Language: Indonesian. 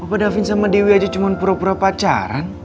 bapak davin sama dewi aja cuma pura pura pacaran